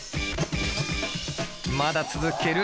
まだ続ける。